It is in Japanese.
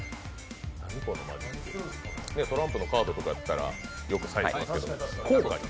トランプのカードとかやったらよくサイン書くけど、硬貨に。